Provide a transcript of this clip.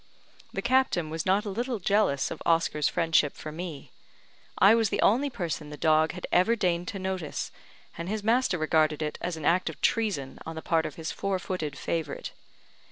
The captain was not a little jealous of Oscar's friendship for me. I was the only person the dog had ever deigned to notice, and his master regarded it as an act of treason on the part of his four footed favourite.